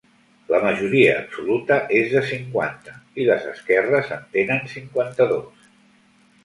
La majoria absoluta és de cinquanta i les esquerres en tenen cinquanta-dos.